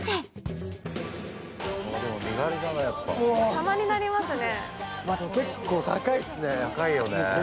さまになりますね。